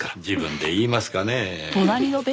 自分で言いますかねぇ。